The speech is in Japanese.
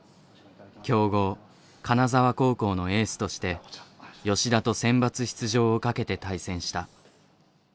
強豪金沢高校のエースとして吉田とセンバツ出場をかけて対戦した。